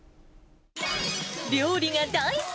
料理が大好き、